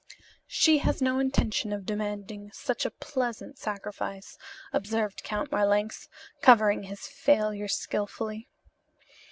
"She has no intention of demanding such a pleasant sacrifice" observed Count Marlanx, covering his failure skilfully.